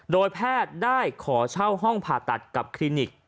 โดยแพทย์ได้ขอเช่าห้องผ่าตัดกับคลินิก